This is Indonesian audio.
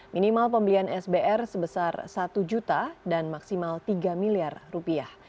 minimal pembelian sbr sebesar satu juta dan maksimal tiga miliar rupiah